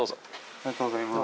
ありがとうございます。